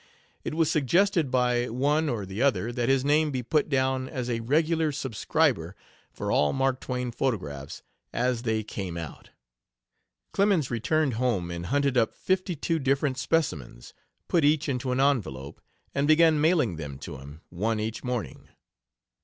It was suggested by one or the other that his name be put down as a "regular subscriber" for all Mark Twain photographs as they "came out." Clemens returned home and hunted up fifty two different specimens, put each into an envelope, and began mailing them to him, one each morning.